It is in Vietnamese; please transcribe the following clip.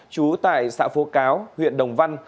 chú tại xã phố cáo huyện đồng văn